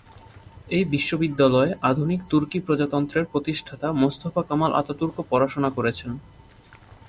এই বিশ্ববিদ্যালয়ে আধুনিক তুর্কি প্রজাতন্ত্রের প্রতিষ্ঠাতা মোস্তফা কামাল আতাতুর্ক পড়াশুনা করেছেন।